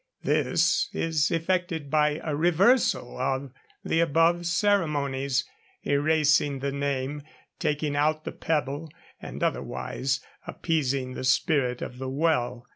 This is effected by a reversal of the above ceremonies erasing the name, taking out the pebble, and otherwise appeasing the spirit of the well.